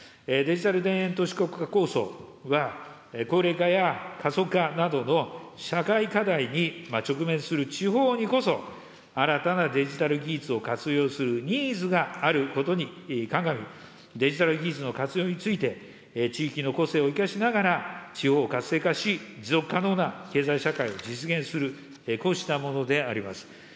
デジタル田園都市国家構想は、高齢化や過疎化などの社会課題に直面する地方にこそ、新たなデジタル技術を活用するニーズがあることに鑑み、デジタル技術の活用について、地域の個性を生かしながら、地方を活性化し、持続可能な経済社会を実現する、こうしたものであります。